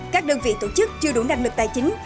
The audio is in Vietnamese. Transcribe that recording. các đơn vị tổ chức chưa đủ năng lực tài chính